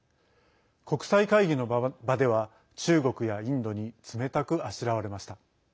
国際会議の場では中国やインドに冷たくあしらわれました。